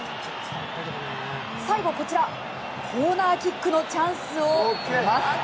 最後、コーナーキックのチャンスを得ます。